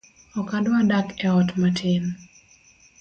Ok adwa dak e ot matin